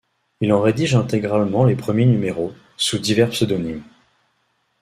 Il en rédige intégralement les premiers numéros, sous divers pseudonymes.